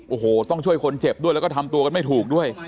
โอ้โหต้องช่วยคนเจ็บด้วยแล้วก็ทำตัวกันไม่ถูกด้วย